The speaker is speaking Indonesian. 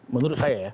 menurut saya ya